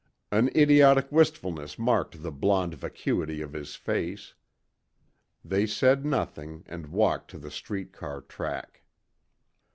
An idiotic wistfulness marked the blond vacuity of his face. They said nothing and walked to the street car track.